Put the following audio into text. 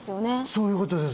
そういうことです